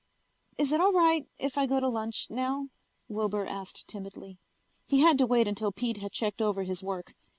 "Is it all right if I go to lunch now?" Wilbur asked timidly. He had to wait until Pete had checked over his work.